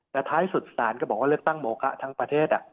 แต่ท้ายสุดศาลก็บอกว่าเลือกตั้งโมคะทั้งประเทศ